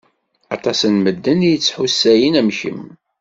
Aṭas n medden i yestḥussayen am kemm.